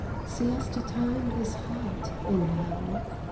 SIESTA time is hot in Hell